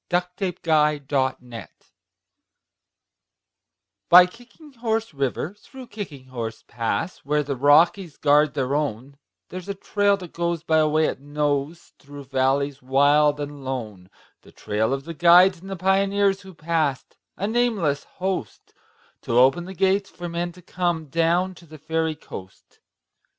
SONG OF THE KICKING HORSE By Kicking Horse River, through Kicking Horse Pass, Where the Rockies guard their own, There's a trail that goes by a way it knows Through valleys wild and lone,— The trail of the guides and the pioneers Who passed—a nameless host— To open the gates for men to come Down to the Fairy Coast.